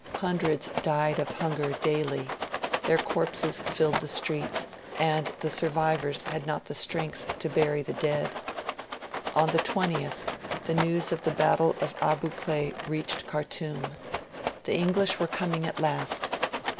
Hundreds died of hunger daily: their corpses filled the streets; and the survivors had not the strength to bury the dead. On the 20th, the news of the battle of Abu Klea reached Khartoum. The English were coming at last.